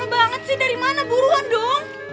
banget sih dari mana buruan dong